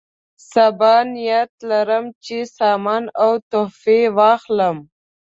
سبا نیت لرم چې سامان او تحفې واخلم.